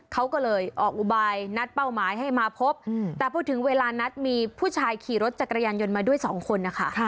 เขาก็เลยออกอุบายนัดเป้าหมายให้มาพบแต่พอถึงเวลานัดมีผู้ชายขี่รถจักรยานยนต์มาด้วยสองคนนะคะ